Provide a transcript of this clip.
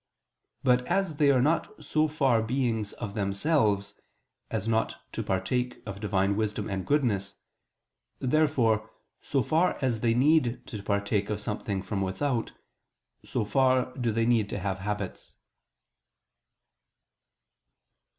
But as they are not so far beings of themselves, as not to partake of Divine wisdom and goodness, therefore, so far as they need to partake of something from without, so far do they need to have habits.